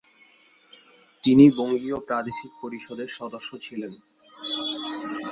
তিনি বঙ্গীয় প্রাদেশিক পরিষদের সদস্য ছিলেন।